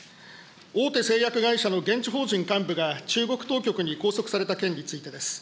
大手製薬会社の現地法人幹部が中国当局に拘束された件についてです。